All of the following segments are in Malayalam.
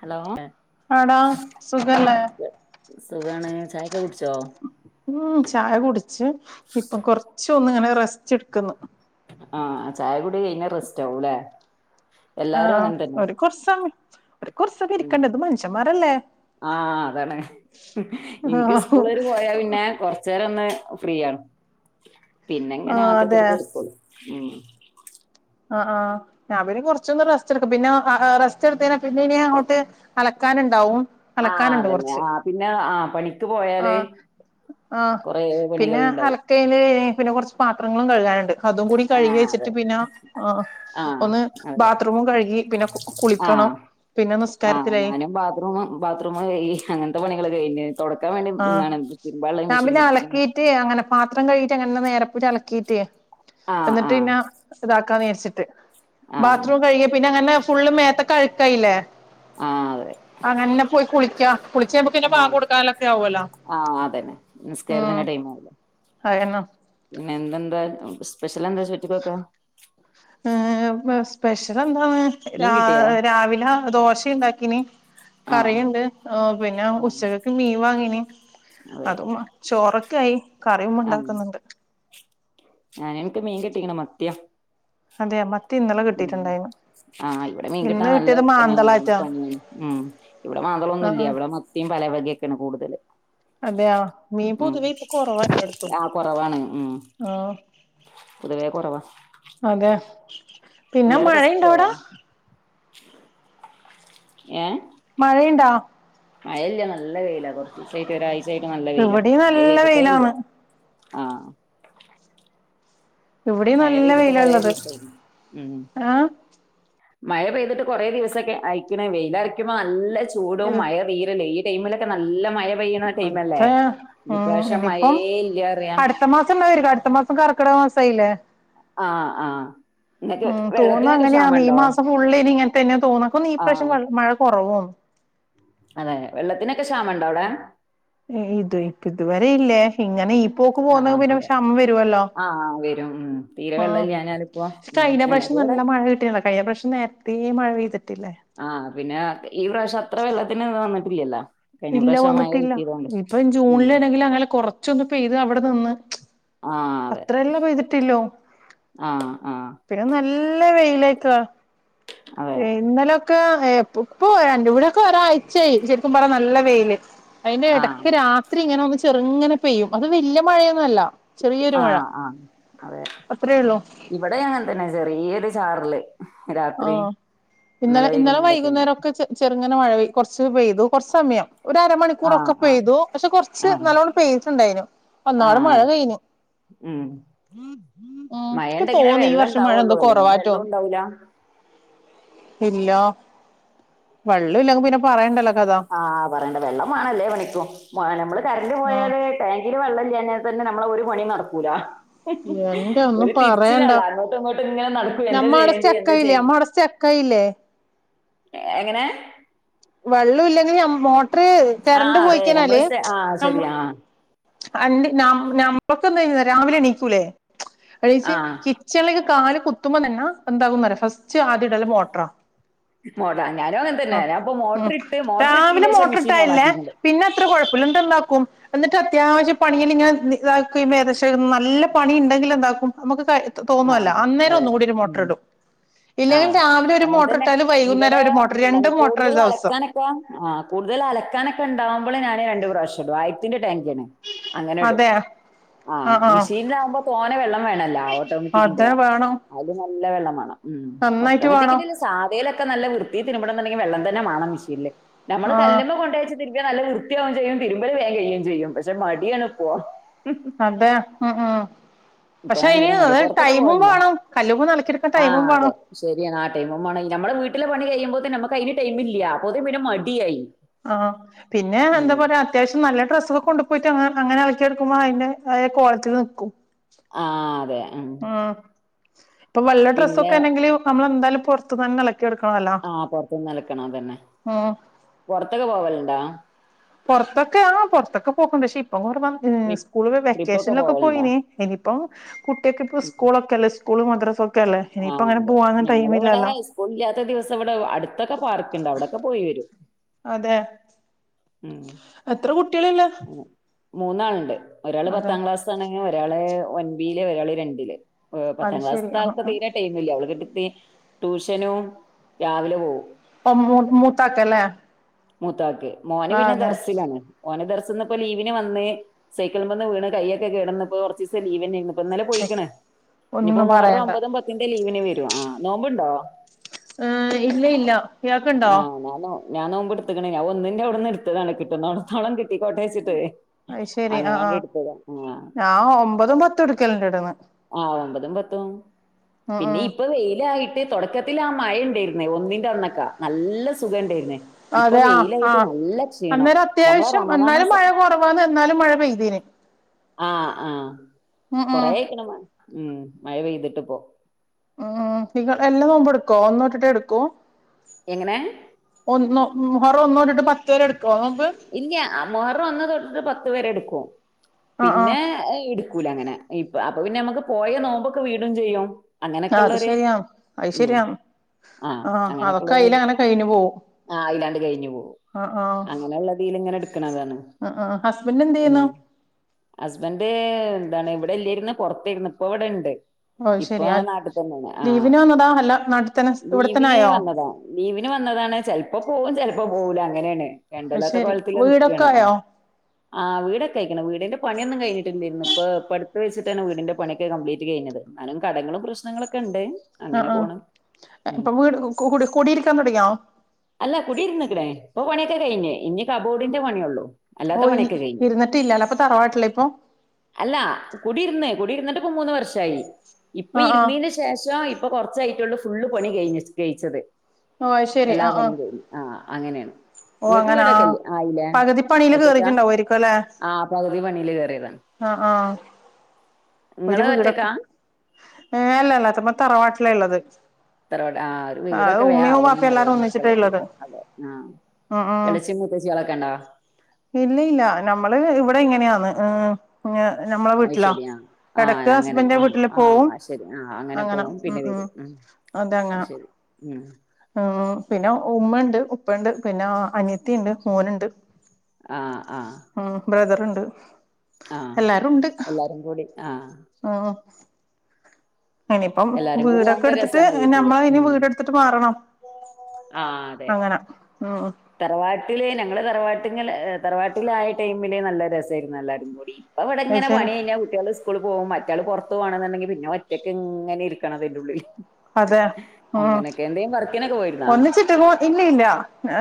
ഹലോ ആടാ സുഖല്ലേ സുഖാണ് ചായ് ന്ന് കുടിച്ചോ ഉം ചായ കുടിച്ച്. ഇപ്പം കൊറച്ച് ഒന്ന് ഇങ്ങനെ റെസ്റ്റെട്ക്ക്ന്ന് ആഹ് ചായ കുടി കഴിഞ്ഞാ റെസ്റ്റ് ആവുയില്ലേ ആഹ് ഒരു കൊറച്ച് സമയം അവര് കൊറച്ച് ഉം ഇരിക്കണ്ടേ ഇത് മനുഷ്യന്മാരല്ലേ ആഹ് അതാണ് ഇൻക്ക് ആഹ് സ്കൂളേര് പോയാ പിന്നെ കൊറച്ചേര അന്ന് ഫ്രീയാണ് പിന്നെ ഇങ്ങനെ ആഹ് ആക്കത്തി [unintelligible] അതെ പപ്പളൂ ഉം ആഹ് ആഹ് ഞാ പിന്നെ കൊറച്ചൊന്ന് റസ്റ്റ് എടുക്കും പിന്നെ റെസ്റ്റ് എടുത്തയ്ഞ്ഞ പിന്നെ ഇനി അങ്ങോട്ട് അലക്കാന്ണ്ടാവും ആഹ് അലക്കാനുണ്ട് അതന്നെ കൊറച്ച് ആഹ് പിന്നെ ആഹ് പണിക്ക് പോയാല് ആഹ് ആഹ് കൊറേ പിന്നെ പണികൾണ്ടാവും അലക്കല് പിന്നെ കൊറച്ചു പാ ങ്ങളും കഴിയാനുണ്ട് [unintelligible] അതും കൂടി കഴുകി ആഹ് അതെ വെച്ചിട്ട് പിന്നെ- ആഹ് ആഹ് ഒന്ന് അതെ ബാത്റൂമും കഴുകി പിന്നെ കുളിക്കണം ആഹ് പിന്നെ ആഹ് നിസ്കാരത്തിലായി ഞാനും ബാറൂം ബാത്റൂം കഴുകി അങ്ങനത്തെ പണികള് കഴിഞ്ഞു ആഹ് ഞാൻ പിന്നെ ഇട്ട്ക്ക്ണ് അലക്കീട്ട് അങ്ങനെ പ- പത്രം കഴുകിട്ട് അങ്ങൻനെ നേരെപ്പോയി അലക്കീട്ടേ ആഹ് എന്നിട്ട് ആഹ് പിന്നെ ഇതാക്കാന്ന് - ച്ച്ട്ട് ആഹ് ബാത്റൂം കഴുകിയ പിന്നെ അങ്ങൻനെ ഫുള്ള് മേത്തക്കഴുക്കായില്ലേ ആഹ് അതെ അത് തന്നെ പോയി കുളി ച [unintelligible] കുളിച്ച് കഴിയുമ്പോ പിന്നെ പാല് ആഹ് കൊടുക്കാലോ ആഹ് അത് തന്നെ ഉം നിസ്കാരത്തിന്റെ ടൈം അതന്നെ പിന്നെ എന്തെന്താ എ [unintelligible] സ്പെഷ [unintelligible] ത്തിലെന്താ ചോറ്റ്ക്കൊക്കെ പ്രഷറാ എന്താ അവിടെ രാവിലെ ദോശയുണ്ടാക്കി ഇനി ആഹ് കറിയുണ്ട് പിന്നെ ആഹ് ഉച്ചകൽത്തേക്ക് മീൻ വാങ്ങീന് അതെ അതും ചോറ് - ക [unintelligible] കറി ഉമ്മ ഉണ്ടാക്കുന്നുണ്ട് ഞാൻ എനിക്ക് മീൻ കിട്ടിയേക്കണ് മത്തിയാ അതേയോ മ ഉം ആഹ് ഇവിടെ മീകിട്ടാ ഇന്ന് നല്ല കിട്ടിയത് ആഹ് മാന്തളായിട്ടാ പണ്യാണ് ഉം ഇവിടെ ആ മാന്തൊളൊന്നുല്ല്യ ഇവിടെ മത്തീം പലവകെക്കെണ് കൂട്തല് അതെയോ മീൻ പൊതുവെ ആഹ് കൊറവാണ് ഉം [unintelligible] പൊതുവേ കൊറവാ അതെ പിന്നെ മഴ ഉണ്ടോ അവിടാ ഏ മഴയുണ്ടാ മഴഇല്ല നല്ല വായിലാ കുറച്ച ദിവസമായിട്ട് ഒരാഴ്ച ആായിട്ട് നല്ല വെയില ഇവിടെ മഴ നല്ല വെയിലാണ് പയ്തിട്ടാഇല്ല ആഹ ഇവിടെയും നല്ല വെയിലള്ളത് ദിവസായി ഉം ആഹ മഴ പെയ്തിട്ട് കുറേ ദിവസൊക്കെ അയക്കണേ വെയില അരക്കുമോ നല്ല ചൂടും [unintelligible] ഗെയിമിലൊക്കെ നല്ല മഴ പെയ്യുന്ന ടൈം അത് അല്ലേ ഉം ഇപ്രാവശ്യം മഴേ ഇനിയിപ്പം ഇല്ല അറിയാം അടുത്ത മാസം ഉണ്ടാവരിക്കും അടുത്ത മാസം കറക്കട മാസായില്ലേ ആ ആ ഉം തോന്നു അങ്ങനെയാാണ് ഈ മാസം ഫുള്ളിനി ഇങ്ങനെ തന്നെയ തോന്നക്ക ീഈ പ്രാവശ്യം ആഹ് മഴ കുറവ [inaudible] അതെ വെള്ളത്തിനൊക്കെ ക്ഷാമ ഉണ്ടോ അവിടെ ഇത് ഇപ്പ ഇതുവരെ ഇല്ലേ ഇങ്ങനെ പോക്ക് പോക ആഹ് പിന്നെ അതെ. ക്ഷാമം വരുവല്ലോ ആഹ് വരും. ഉം. തീരെ ആ വെള്ളം ഇല്ലാഞ്ഞാലിപ്പോ പ ഉം കഴിഞ്ഞ ഞങ്ങക്ക് പ്ര്രാവശ്യം ഇവിടെ നല്ല മഴ കിട്ടീല്ലോ കഴിഞ്ഞ പ്രാവശ്യം നേരത്തെേ മഴ പെയ ആ പിന്നെ ഈ പ്രാവശ്യ അത്ര വെള്ളത്തിന് വ [unintelligible] ഇല്ല വന്നിട്ടില്ല ഇപ്പൊ ഉം. ജൂണിലാണെങ്കിലും അങ്ങനെ കൊറച്ചൊന്ന പെയ്തു അവിടെ നിന്ന് ആഹ് അതെ. അത്രയല്ല പെയ്തിട്ടിള്ളൂ ആഹ് ആഹ് പിന്നെ ന്ന ല്ല വെയിലേകാരം അതെ. എ ഇന്നലൊക്കെ ഇപ്പോ രണ്ട കൂടെക്കെ ഒരാഴ്ചയായി ശരിക്കും പറഞ്ഞ നല്ല വെയില് അതിന്റെ ആഹ് ഇടയ്ക്ക് രാത്രി ഇങ്ങനെ ചെറുങ്ങനെ പെയ്യും അത് വല്യ മഴയൊന്നല്ല ആ ആ അതെ അത്രയേ ഉള്ളൂ ഇവിടെ അങ്ങെ തന്നെ ചെറിയത് ചാറില്േ ആ ഇന്നലെ ഇന്നലെ വൈകുന്നേരൊക്കെ ഇങ്ങനെ വൈകുന്നേരംൊക്കെ ചെറ ങ്ങനെ മഴ കുറച്ച് പെയ്തു കുറച്ച് സമയം ആഹ് ഒരുരമണിക്കൂറൊക്കെ ആഹ് പെയ്തു പക്ഷെ കൊറച്ച് ആഹ് നല്ലോണ്ണം പെയ്ട്ടുണ്ടായിരുന്നു ന്നാള് ആഹ് മഴ അതെ കഴിഞ്ഞു ഉം മ് ഇന്ക് മഴണ്ടെങ്കിലേ തോന്നി ഈ വെള്ളം വർഷം മഴ ഉണ്ടാവുള്ളൂ എന്തോ അല്ലെങ്കി കുറവാറ്റോ വെള്ളവും ഉണ്ടാവൂല ഇല്ല വെള്ളുല്ലെങ്കി പിന്നെ പറയണ്ടല്ലോ കഥ ആഹ് പറയേണ്ട വെള്ളംമാണല്ലേ പണിക്കും നമ്മള് കറന്റ് ആഹ് പോയാല് ടാങ്കില് വെള്ളം ഇല്ലെന്നെ തന്നെ നമ്മള ഒരു മണി നടക്കൂല എന്റെ ഒന്നും ഒരു തിരിച്ചിലള്ള പറയണ്ട അങ്ങോട്ടും ഇങ്ങോട്ടും ഇങ്ങനെ നടക്കൂ എന്താ നമ്മടെ ചെയ്യേണ്ടി എന്താ സ്റ്റെക്കായില്ലേ ചെയ് നമ്മടെ സ്റ്റെക്കായില്ലേ എങ്ങനെ വെള്ളം ഇല്ലെങ്കിലും മോ ത്ര കരണ്ട് ആഹ് അതെ നമ്മള് പോയിക്കഞ്ഞാല് ആഹ് നമ്മ ശരി ആഹ് അ നം നമ്മളൊക്കെ എന്ത രാവിലെണീക്കൂലേ അ ആഹ് കിച്ചണിലേക്കെ കാണ കുത്തുമ്പ തന്നെ എന്താകും ഫസ്റ്റ് ആദ്യ ഇടല്ല മോട്ടറാ മോട്ട ഞാനും അങ്ങനെ തന്നെ ഞാനിപ്പോ ഉ മോട്ടർ ഇട്ട് മോട്ടർ രാവിലെ ഇട്ടീന്റെ ശേഷം മെഷീൻ ഓൺ മോട്ടർട്ടായില്ലേ ആക്കിക്ക്ണ് പിന്നെ അത്ര കുഴപ്പില്ല എന്ത ഉണ്ടാക്കും [unintelligible] അത്യാവശ്യ പണിയിൽ ഇങ്ങനെ ഇതാക്കുക ഏദേശ നല്ല പണി ഉണ്ടെങ്കിൽ എന്താക്കും നമുക്ക് ആഹ തോന്നുവല്ല അന്നേരം അതെ ഒന്നുകൂടി ഒരു ഉ മോട്ടർ ഇടും ഇല്ലെങ്കിൽ ആഹ രാവിലെ ഒരു അങ്ങനെ മോട്ടർ തന്നെ ഇട്ടാല് വൈകുന്നേരം ഇവിടെ ഒരു മോട്ടർ നമു രണ്ട് മോട്ടർ കൂടുതൽ ഒരു ദിവസം അലക്കാനൊക്കെ ആ് കൂടുതൽ അലക്കാനൊക്കെ ഉണ്ടാവും [unintelligible] ഞാന് രണ്ട് പ്രാവശ്യെടും ആയത്തിന്റെ [unintelligible] അങ്ങനെടും അതെ ആ മിഷീനകുമ്പോ തോന വെള്ളം വേണല്ലോ ട്ടോ അതാ വേണോ നല്ല വെള്ളം മാണം ഉം ഭക്ഷണം കിറ്റിക്കുന്നില്ല സാധ ഒക്ക നല്ല വൃത്തി തിര്മ്പണന്നിണ്ടെങ്കി വെള്ളം തെന്നെ മാണം മെഷീൻല് നമ്മള് ആ കല്ലമ്മ കൊണ്ടച്ച തിരി നല്ല വൃത്തിയാവുംയും ചെയ്യുംതിരുമ്പല വാൻ കഴിയുകയും ചെയ്യും പക്ഷെ മടിയാണ് ഇപ്പോ അതെ ഉം ഉം ഇപ്പൊ പക്ഷെ ഇനി ഭയങ്കര മട അത് പൊറത്തൊക്കെ ടൈമും പോയില്ലോ വേണം കല്ലുമ്മെ അലക്കിയെടുക്കാൻ ടൈമും ആഹ് അതെ വേണം ശരിയ നാ ടൈ നമ്മടെ വീട്ടിലെ പണ കിയുമ്പോ നമുക്ക് അതിന് ടൈംമല്ല അപ്പോൊത പിന്നെ മടിയായി ആഹ് പിന്നെ ഉം എന്താപറയാ അത്യാവശ്യം നല്ല ഡ്രസ്സൊക്കെ കൊണ്ട പോയിട്ട് അങ്ങെളക്കെടുക്ക്പോ അതിന്റെ കോളത്തിൽ നിൽക്കും ആ അതെ ഉം ആഹ ഇപ്പ വെള്ള പിന്നെ ഡ്രസ്സൊക്കെ ആണെങ്കില് നമ്മളെന്താലും പുറത്ത് തന്ന ആഹ പൊറത്തുന്ന് നിൽക്കണംതന്നെ ഉം പൊറത്തൊക്കെ പോവലുണ്ടാ പൊർത്തൊക്കെ ആ പൊർത്തൊക്കെ പോക്കിണ്ട് ഷി [unintelligible] ഏ ട്രിപ്പ് സ്കൂൾ ട്രിപ്പൊക്കെ വെക്കേഷൻലൊക്കെ പോവലുണ്ടോ പോയിനി ഇനിപ്പം കുട്ട്യാക്കെ ഇപ്പോ ഉം സ്കൂളൊക്കെല്ലേ സ്കൂള്, മദ്രസ ആഹ് അതെ ഞങ്ങള് ഇവിടെ സ്കൂള് ഇല്ലാത്ത ദിവസം ഇവിടെ അടുത്തൊക്കെ പാർക്കുണ്ട് അവിടെക്കെ പോയി വരും അതെ ഉം എത്ര കുട്ടികളുള്ളെ മൂന്നാള്ണ്ട് ഒരാള് പത്താം ക്ലാസാണ് ഒരാള് ഒൻപിയില് ഒരായിള് രണ്ടില് ഏഹ് അത് പത്താം ശരി ക്ലാസ്ത്തെ ആ ആൾക്ക് തീരെ ടൈമില്ല ഓള് കെട്ടി ട്ടി ട്യൂഷനും രാവിലെ പോകും ആഹ് മൂ മൂത്ത ആൾക്കല്ലെ മൂത്താക്ക് മോന് പിന്നെ ദർസിലാണ് ഓന് ദർ സിന്നിപ്പം ലീവിന് വന്ന് സൈക്കിളിമ്മെന്ന് വീണ് കയ്യൊക്കെ കേടന്നിപ്പം കൊറച്ചീസം ലീവന്നെ അയ്ന്നു ഇപ്പം ഇന്നലെ പോയിക്ക്ണ് ഇനിപ്പോ ഒന്നും മുഹർറം പറയണ്ട ഒമ്പതും പത്തിൻ്റെം ലീവിന് ഇനി വരും ആഹ് നോമ്പുണ്ടോ ആഹ് ഇല്ല ഇല്ല ഇയാൾക്കുണ്ടോ ആഹ് ഞാനും ഞാൻ നോമ്പ് എടുത്ത്ക്കണ് ഞാൻ ഒന്നിന്റെ അവിടുന്ന് എടുത്തതാണ് കിട്ടുന്നടത്തോളം കിട്ടികോട്ടെവെ ച്ചിട്ട് അത് ശെരി അങ്ങനെ ആ ആ അങ്ങട് എടുത്തത ആഹ് ഞാൻ ഒമ്പതും പത്തും എടുക്കലുണ്ട് ഇവിടുന്ന് ആഹ് ഒമ്പതും പത്തും ഉം പിന്നെ ഉം ഇപ്പൊ വെയിലായി തൊടക്കത്തി ആ മഴ ഉണ്ടായിരുന്നേ ഒന്നിന്റെ അന്നൊക്കെ നല്ല സുഖം ഒണ്ടായിരുന്നു അതെ ആഹ് ആഹ് അന്നേരം ഞമ്മളെ അത്യാവശ്യം റമളാൻ എന്നാലും മഴ മാസം കുറവാന്ന് എന്നാലും മഴ പെയ്തീന് ആഹ് ആഹ് ഉം ഉം കൊറെ ആയിക്കണ് മഴ മ്മ് മഴ പെയ്തിട്ടിപ്പോ മ്മ് നിങ്ങള് എല്ലാ നോമ്പും എടുക്കോ ഒന്ന് തൊട്ടിട്ടേ എടുക്കോ എങ്ങനെ ഒന്ന് മുഹറം ഒന്ന് തൊട്ടിട്ടു പത്ത് വരെ [inaudible] ഇല്ല മുഹറം ഒന്ന് തൊട്ടിട്ട് പത്ത് വരെ എടുക്കും ഓ ആഹ് ആഹ് പിന്നെ എടുക്കൂല അങ്ങനെ ഇപ്പ അപ്പൊ പിന്നെ നമ്മുക്ക് പോയ നോമ്പ് ഒക്കെ വീടും ചെയ്യും ആഹ് അത് അങ്ങനൊക്കെയുള്ളൊര് ശരിയാ അത് മ്മ് ശരിയാ ആ ആഹ് അങ്ങനെ അതൊക്കെ അയില് ഒക്കെയുള്ളൊര് അങ്ങനെ കഴിഞ്ഞു പോവും ആ അങ്ങനെ ഒക്കെ ഉള്ളൊര് അയിലാണ്ട് കഴിഞ്ഞ് പോകും ആഹ് ആഹ് അങ്ങനെയുള്ളത് - ഇങ്ങനെ എടുക്കണതാണ് ആഹ് ആഹ് ഹസ്ബൻഡ് എന്ത് ചെയ്യുന്നു മ്മ് ഹസ്ബൻ്റ്- എന്ത്‌ ആണ് ഇവിടെ ഇല്ലിയിരുന്നു പുറത്തായിരുന്നു ഇപ്പ ഇവിടെ ഉണ്ട് ഓഹ് ഇപ്പൊ ശരി ആ നാട്ടിൽ തന്നെയാണ് ആ ലീവിന് അത് വന്നതാ അല്ല നാട്ടിൽ തന്നെ ലീവിന് ഇവിടെത്തന്നായോ വന്നതാണ് ലീവിന് വന്നതാണ് ചെലപ്പോ പോകും ചെലപ്പോ - പ്പ പോകൂല അങ്ങനെയാണ് അത് കണ്ടല [unintelligible] ത്ത ശരി കോലത്തില് വീടൊക്കെ നിക്കാണ് ആയോ ആ വീടൊക്കായിക്ക്ണ് വീടിന്റെ പണിയൊന്നും കഴിഞ്ട്ട്ല്ലേര്ന്നു ഇപ്പൊ ഇപ്പട് പ്പൊ വെച്ച്ട്ടാണ് വീടിന്റെ പണിയൊക്കെ കംപ്ലീറ്റ് കയ്ഞത് ന്നാലും കടങ്ങളും പ്രശ്നങ്ങളൊക്കെണ്ട് ആ ആ ഇപ്പൊ വീട് കുടിരിക്കാൻ തൊടങ്ങിയോ ഓ പണിയൊക്കെ കയ്ഞ് ഇഞ് കബോഡിന്റെ പണിയൊള്ളൂ ഓ അല്ലാത്ത ഇ പണിയൊക്കെ കഴിഞ്ഞു ഇരുന്നിട്ട് ഇല്ല അപ്പൊ തറവാട്ടിലാപ്പം കുടിര്ന്ന്ട്ട് മൂന്ന് വർഷായി ഇപ്പൊ ആഹ് ആഹ് ഇര്ന്നീന്റെ ശേഷം പ്പൊ കൊർച്ചായിട്ടൊള്ളൂ ഫുള്ള് പണി കയ് കെയ്ച്ചത് ഓ ശെരി ആ അ അങ്ങനെണ് ഓ അങ്ങനെ ആ പകുതിപ്പണില് ഒറ്റക്കാ കേറിട്ടുണ്ടാവരിക്കല്ലേ ആഹ് പകുതി പണിയില് കേറിയതാണ് അ ആ ഒരു ഇങ്ങള് വീടൊക്കെ ഒറ്റക്കാ ഏ അല്ലല്ലത്തപ്പ തറവാട്ടിലള്ളത് ത്ര പെ ആ ഒരു വീടൊക്കെ വേ ഉമ്മയും ആകണം വാപ്പയും ന്നറിയ എല്ലാരും മക്കളൊക്കെറ്റ് അതെ ആ അ അ ഇളച്ചിം മൂത്തച്ചികളൊക്കെ ഉണ്ടോ? ഇല്ല ല്ല നമ്മള് ഇവിടെ ഇങ്ങനാന്ന് ആ [unintelligible] നമ്മളെ അത് വീട്ടിലാ ശരി ആ ആ എടക്ക് അങ്ങനെ ഹസ്ബൻന്റെ ആ വീട്ടില് പോവും ആ ശരി ആ അങ്ങനെ പോവും ഉം പിന്നെ ഉം വരും അത് അതങ്ങനെ ശരി ഉം ഉം പിന്നെ ഉമ്മണ്ട് ഉപ്പ പെണ്ട് പിന്നെ അനിയത്തിണ്ട് മോന്ണ്ട് ആഹ് ആഹ് ത്ത് [unintelligible] ആഹ് എല്ലാരും കൂടി ആഹ് ആഹ് [unintelligible] ഇനിയിപ്പം എല്ലാരും കൂടി വീടൊക്കെ ആവുമ്പോ എടുത്തിട്ട് രസാണ് വീട്ടില് നമ്മളിനി ഉം വീട് എടുത്തിട്ട് മാറണം ആ അതെ അങ്ങനെ ഉം തറവാട്ടില് ഞങ്ങള് തറവാട്ട ട്ട്ങ്ങല് തറവാട്ടിലായ ടൈമില് നല്ല രസായിരുന്നു എല്ലാരും കൂടി ഇപ്പ ഇവിടിങ്ങനെ ശരി പണി കഴിഞ്ഞാ കുട്ടികള് സ്കൂളി പവ മ കുട്ട്യാള് പൊറത്ത് പോവണെന്ന്‌ണ്ടെങ്കി പിന്നെ ഒറ്റക്ക് ഇങ്ങനെ ഇരിക്കണം ഇതിന്റെ ഉള്ളില് അതെ ഉം അങ്ങനൊക്കെ എന്തേലും വർക്കിനൊക്കെ പോയിരുന്നോ? ഒന്നിച്ചിരി ട്ടുവോ ഇല്ല ഇല്ല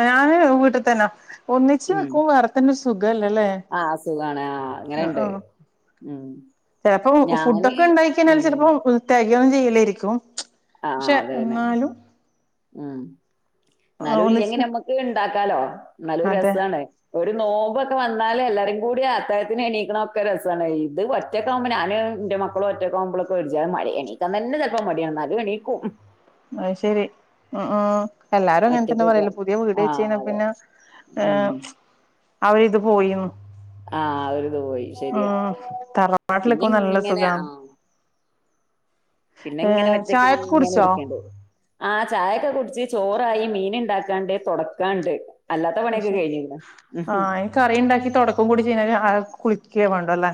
ഞാന് വീട്ടിൽ തന്ന ഒന്നിച്ച് നിക്കും വേറെത്തന്നെ ശ് ആ അസുഖാണ് ആ അങ്ങനെ ഇണ്ട് ഊം ചെലപ്പം ഫുഡൊക്കെ ഉണ്ടാക്കി കഴിഞ്ഞാൽ ചെലപ്പം വ് റ്റയി ലിയൊന്നും ചെയ്യില്ലായിരിക്കും ച്ച് ആ അതന്നെ ഉം എന്നാലും ഒന്നിച്ച് ഇല്ലങ്കി നിക്കും നമ്മക്ക് ഇണ്ട ക്കാലോ നല്ലൊരു അതെ രസാണ് ഒരു നോ മുമ്പൊക്കെ വന്നാലേ എല്ലാരും കൂടി അത്താഴത്തിന് എണീക്കണ ഒക്കെ രസവാണ് ഈ ഇത് ഒറ്റക്ക് ആവുമ്പോ ഞാന് എന്റെ മക്കളും ഒറ്റക്കാവുമ്പോളൊക്കെ ഒരിജ മടി എണീക്കാൻ തന്നെ ചിലപ്പോ മടികാണും എന്നാലും എണീക്കും അയ്ശരി ഉം- ഉം എല്ലാരും അങ്ങനെത്തന്നെ ഒറ്റക്കൊക്കെ പറയല് പുതിയ വീട് വെച്ച് ആഹ് കഴിഞ്ഞാ അതെ പിന്നെ ഉം ഏഹ് അവരിത് പോയിന്ന് ആ ആഒരിത് പോയി ശരിയാ ഉം പിന്നെ തറവാട്ടിലൊക്കെ നല്ല ഇങ്ങനെ ആ സുഖാന്ന് പിന്നെ ഇങ്ങനെ ഏഹ് ചായൊക്കെ ഒറ്റക്കിങ്ങനെ കുടിച്ചോ ഇരിക്കേണ്ടേ ആ ചായൊക്കെ കുടിച്ച് ചോറായി മീൻ ഇണ്ടാക്കാണ്ട് തൊടക്കാണ്ട് അല്ലാത്ത പണിയൊക്കെ പക്ഷെ കഴിഞ്ഞ്ക്ക്ണ്. ആ ഉം കറി ഉണ്ടാക്കി തൊടക്കും കൂടി ചെയ്ന് കഴിഞ്ഞ കുളിക്കുക വേണം തല്ലേ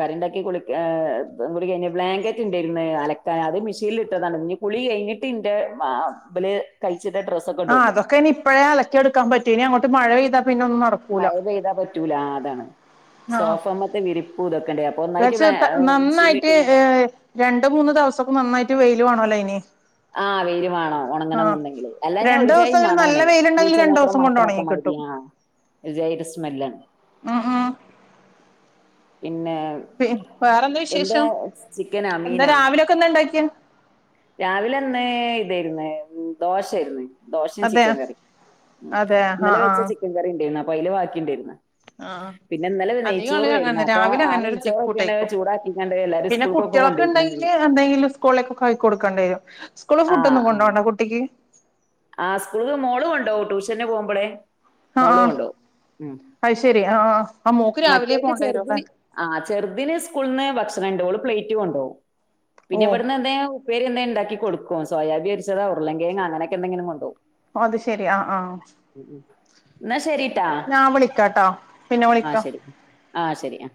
കറിയിണ്ടാക്കി കുളിക്ക ഏ കുളി കഴിഞ്ഞ ബ്ലാങ്കറ്റ് ഉണ്ടായിരുന്ന് അലക്കാൻ അത് മിഷീനിൽ ഇട്ടതാണ് ഇനി കുളി കഴിഞ്ഞിട്ട് ഇന്റെ മാബില് ക ആഹ് അതൊക്കെ ഇനി ഇപ്പഴേ അലക്കിയെടുക്കാൻ പറ്റു ഇനി അങ്ങോ മഴ പെയ്ത മഴ പെയ്താ പറ്റൂല ആ അതാണ് സോഫ മെത്തെ വിരിപ്പ് ഇതൊക്ക കഴിച്ച് ഇത്ത നന്നായിട്ട് ഏ രണ്ട് മൂന്ന് ദിവസൊക്കെ നന്നായിട്ട് വെയി ഇടുവാണോ ലയിന് ആ വെയില് വേണോം ഒണങ്ങണംന്നുണ്ടെങ്കില് അല്ലാന് രണ്ടു ഒരുചായി ദിവസെങ്കിലും നല്ല മണാണ് വെയിലുണ്ടെങ്കിൽ പൂച്ച രണ്ടു മൂത്ര ദിവസം കൊണ്ട് മണത്തിനൊക്കെ ഒണങ്ങി മാതിരി കിട്ടും ആ ഒരുചായി ഒരു സ്മെല്ലാണ് ഉം ഉം പിന്നെ പി വേറെന്താ എന്താ വിശേഷം ചിക്കനാ എന്താ മീനാ? രാവിലെക്കെ ന്താ ഇണ്ടാക്കിയെ രാവിലെ അന്ന് ഇതായിരു ന്നേ ദോശായിരുന്നേ ദോശയും അതെ ചിക്കൻ കറി ഉ അതെ ആഹ് ഇന്നലെ വെച്ച ചിക്കൻ കറി ഉണ്ടനി അയില് വാക്കിണ്ടായിരുന്നു ആ അധിക ആള ആയിരുന്നു. അങ്ങനെ അപ്പൊ രാവിലെ ആ അങ്ങനെ ഒരു നെയ്‌ച്ചോറൊക്കെയാണ് ചെക്കൂട്ടക്കും ചൂടാക്കിക്കാണ്ട് എല്ലാരും പിന്നെ സ്കൂൾക്കൊക്കെ കുട്ടികളൊക്കെ കൊണ്ടോയിക്കണത് ഉണ്ടെങ്കിൽ ഇന്ന്. എന്തെങ്കിലും സ്കൂളിലേക്കൊ കയിക്കൊടുക്ക കണ്ടരും സ്കൂള് ആ ഫുഡ് ഒന്നും ആ. കൊണ്ടോടെ കുട്ടിക്ക് ആ സ്കൂൾ മോളുംകൊണ്ടോവും ട്യൂഷൻ [unintelligible] പോകുമ്പോളെ ആഹ ആഹ അത് ശരി ആഹ മറ്റൾക്ക് ചെറു ആ ചെറുതിന് സ്കൂളിൽന്ന് ഭക്ഷണം കണ്ടോളൂ പ്ലേറ്റ് കൊണ്ടാവും പിന്നെ ഓഹ് എവിടുന്ന് എന്തേ പേര്ന്ത ഉണ്ടാക്കി കൊടുക്ക സോയാബി രിച്ചത് ഉരുളൻ കിഴങ് അങ്ങനൊക്കെന്തെങ്കിലും കൊണ്ടോ അത് ശെരി ആഹ ആഹ എന്നാ അ ശരിട്ടാ. ഞാൻ വിളിക്കാട്ടാ പിന്നെ ആ വിളിക്കാം ശരി ആ ശരിയാ